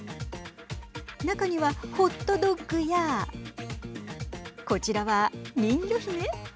中には、ホットドッグやこちらは人魚姫。